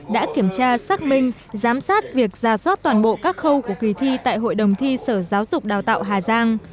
đã kiểm tra xác minh giám sát việc ra soát toàn bộ các khâu của kỳ thi tại hội đồng thi sở giáo dục đào tạo hà giang